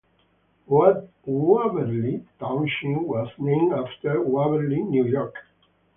Waverly Township was named after Waverly, New York.